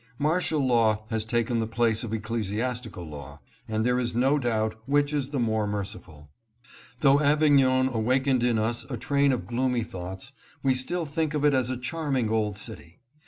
Martial law has taken the place of ecclesiastical law, and there is no doubt which is the more merciful. Though Avignon awakened in us a train of gloomy thoughts, we still think of it as a charming old city.